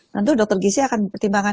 nanti dokter gizi akan mempertimbangkan